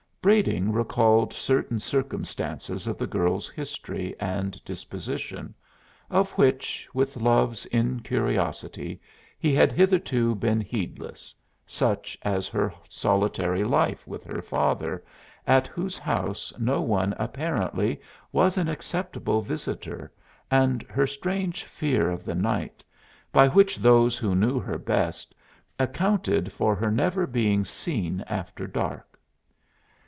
Brading recalled certain circumstances of the girl's history and disposition, of which, with love's incuriosity, he had hitherto been heedless such as her solitary life with her father, at whose house no one, apparently, was an acceptable visitor and her strange fear of the night, by which those who knew her best accounted for her never being seen after dark.